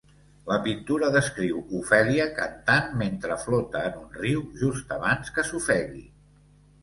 La pintura descriu Ofèlia cantant mentre flota en un riu just abans que s'ofegui.